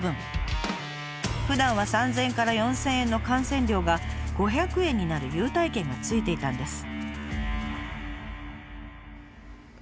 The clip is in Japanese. ふだんは３，０００円から４，０００円の観戦料が５００円になる優待券が付いていたんです。